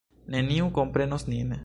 Neniu komprenos nin.